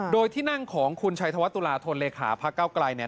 โดยที่นั่งของคุณชัยธวัฒตุลาธนเลขาพระเก้าไกลเนี่ย